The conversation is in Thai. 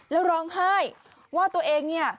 แล้วร้องไห้ว่าตัวเองเนี่ย